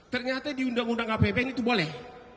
ternyata di undang undang apbn itu boleh